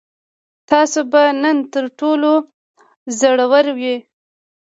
تاسو به نن تر ټولو زړور وئ.